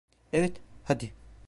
Evet, hadi.